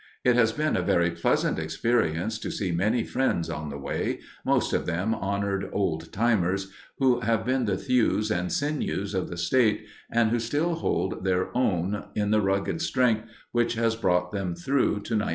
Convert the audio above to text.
It has been a very pleasant experience, to see many friends on the way—most of them honored "Old Timers," who have been the thews and sinews of the State, and who still hold their own in the rugged strength, which has brought them through to 1902.